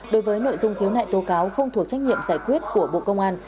đối với nội dung khiếu nại tố cáo không thuộc trách nhiệm giải quyết của bộ công an